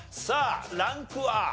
さあランクは？